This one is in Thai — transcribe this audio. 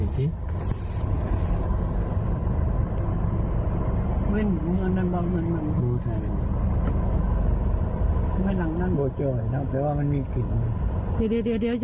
จอดให้น้อย